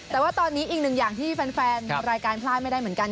แต่ว่าตอนนี้อีกหนึ่งอย่างที่แฟนรายการพลาดไม่ได้เหมือนกัน